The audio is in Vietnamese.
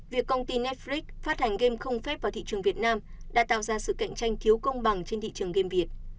việc công ty netflix phát hành game không phép vào thị trường việt nam đã tạo ra sự cạnh tranh thiếu công bằng trên thị trường game việt